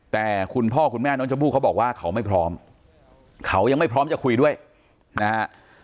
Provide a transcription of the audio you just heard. แต่คุณพ่อคุณแม่น้องชมพู่เขาบอกว่าเขาไม่พร้อมเขายังไม่พร้อมจะคุยด้วยนะฮะ